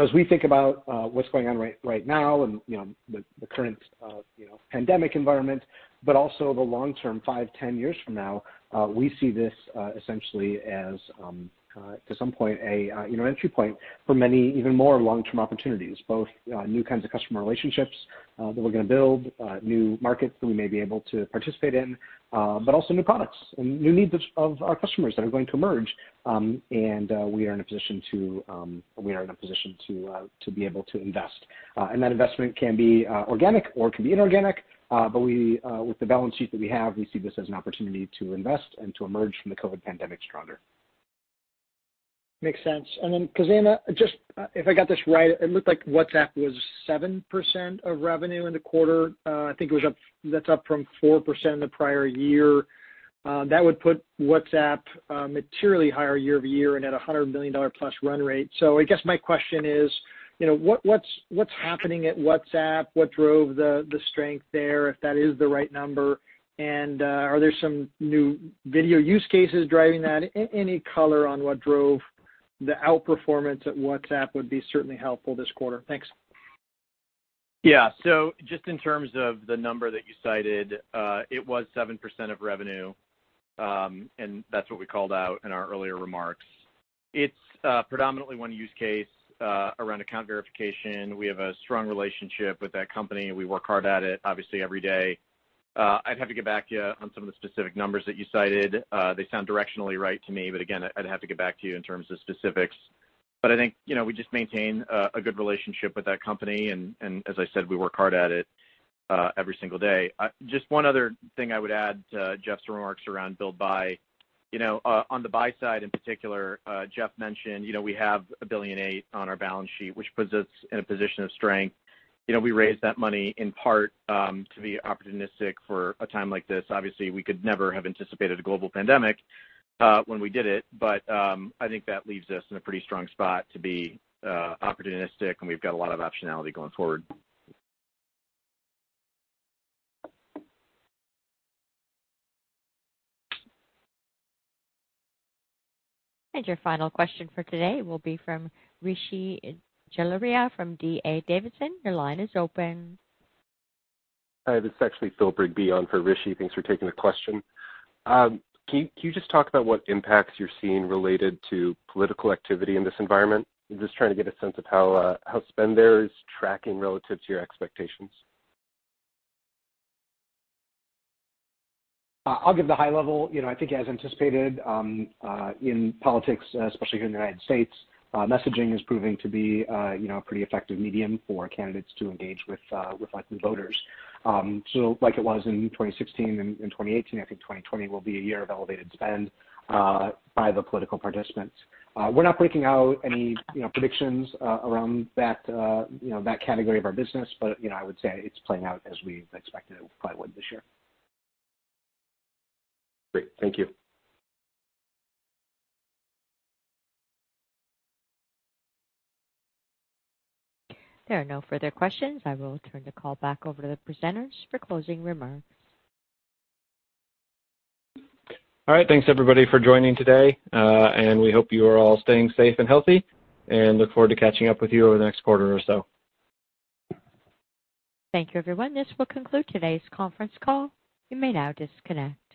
As we think about what's going on right now and the current pandemic environment, but also the long term, five, 10 years from now, we see this essentially as, to some point, an entry point for many even more long-term opportunities, both new kinds of customer relationships that we're going to build, new markets that we may be able to participate in, but also new products and new needs of our customers that are going to emerge. We are in a position to be able to invest. That investment can be organic or it can be inorganic. With the balance sheet that we have, we see this as an opportunity to invest and to emerge from the COVID pandemic stronger. Makes sense. Khozema, if I got this right, it looked like WhatsApp was 7% of revenue in the quarter. I think that's up from 4% in the prior year. That would put WhatsApp materially higher year-over-year and at $100 million-plus run rate. I guess my question is, what's happening at WhatsApp? What drove the strength there, if that is the right number? Are there some new video use cases driving that? Any color on what drove the outperformance at WhatsApp would be certainly helpful this quarter. Thanks. Just in terms of the number that you cited, it was 7% of revenue, and that's what we called out in our earlier remarks. It's predominantly one use case around account verification. We have a strong relationship with that company, and we work hard at it, obviously, every day. I'd have to get back to you on some of the specific numbers that you cited. They sound directionally right to me. Again, I'd have to get back to you in terms of specifics. I think, we just maintain a good relationship with that company, and as I said, we work hard at it every single day. Just one other thing I would add to Jeff's remarks around build buy. On the buy side in particular, Jeff mentioned we have $1.8 billion on our balance sheet, which puts us in a position of strength. We raised that money in part to be opportunistic for a time like this. Obviously, we could never have anticipated a global pandemic when we did it, but I think that leaves us in a pretty strong spot to be opportunistic, and we've got a lot of optionality going forward. Your final question for today will be from Rishi Jaluria from D.A. Davidson. Your line is open. Hi, this is actually Phil Rigby on for Rishi. Thanks for taking the question. Can you just talk about what impacts you're seeing related to political activity in this environment? I'm just trying to get a sense of how spend there is tracking relative to your expectations. I'll give the high level. I think as anticipated in politics, especially here in the U.S., messaging is proving to be a pretty effective medium for candidates to engage with likely voters. Like it was in 2016 and 2018, I think 2020 will be a year of elevated spend by the political participants. We're not breaking out any predictions around that category of our business. But I would say it's playing out as we expected it probably would this year. Great. Thank you. There are no further questions. I will turn the call back over to the presenters for closing remarks. All right, thanks everybody for joining today, and we hope you are all staying safe and healthy, and look forward to catching up with you over the next quarter or so. Thank you, everyone. This will conclude today's conference call. You may now disconnect.